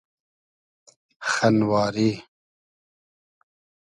خئنواری